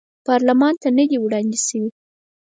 پارلمان ته نه دي وړاندې شوي.